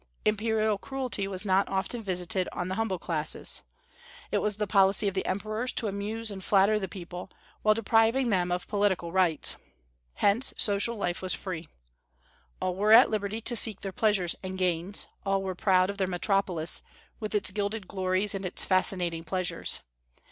Imperial cruelty was not often visited on the humble classes. It was the policy of the emperors to amuse and flatter the people, while depriving them of political rights. Hence social life was free. All were at liberty to seek their pleasures and gains; all were proud of their metropolis, with its gilded glories and its fascinating pleasures.